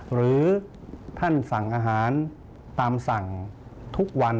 หรือท่านสั่งอาหารตามสั่งทุกวัน